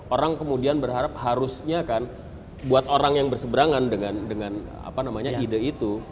orang kemudian berharap harusnya kan buat orang yang berseberangan dengan ide itu